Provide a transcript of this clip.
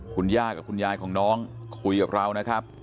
คุณย่ากับคุณยายของน้องคุยกับเรานะครับ